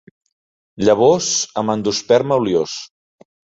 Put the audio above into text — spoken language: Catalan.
Llavors amb endosperma oliós.